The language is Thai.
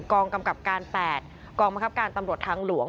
กองกำกับการ๘กองบังคับการตำรวจทางหลวง